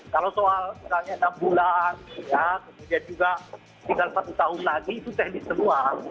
kalau soal misalnya enam bulan kemudian juga tinggal satu tahun lagi itu teknis semua